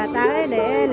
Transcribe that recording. tới để lễ